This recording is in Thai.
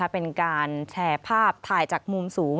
เป็นการแชร์ภาพถ่ายจากมุมสูง